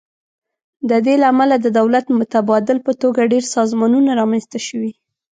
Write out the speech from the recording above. د دې له امله د دولت متبادل په توګه ډیر سازمانونه رامینځ ته شوي.